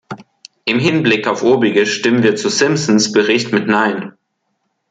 Im Hinblick auf obiges stimmen wir zu Simpsons Bericht mit nein.